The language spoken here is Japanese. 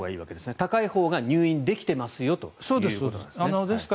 高いほうが入院できていますよということですね。